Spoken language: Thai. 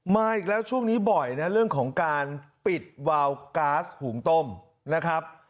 มาอีกแล้วช่วงนี้บ่อยนะเรื่องของการปิดวาวก๊าซหุงต้มนะครับ